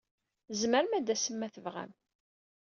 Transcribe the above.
Tzemrem ad d-tasem ma tebɣam.